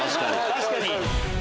確かに！